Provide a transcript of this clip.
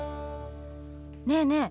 ねえねえ